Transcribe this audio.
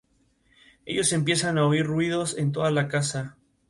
Además, es convocado y disputa algunos partidos con el primer equipo madridista.